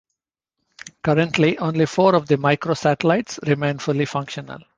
Currently only four of the microsatellites remain fully functional.